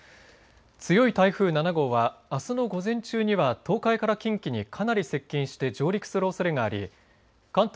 強い台風７号はあすの午前中には東海から近畿にかなり接近して上陸するおそれがあり関東